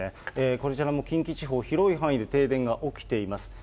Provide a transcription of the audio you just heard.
こちらも近畿地方、広い範囲で停電が起きています。